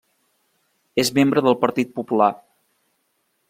És membre del Partit Popular.